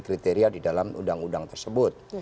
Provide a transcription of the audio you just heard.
kriteria di dalam undang undang tersebut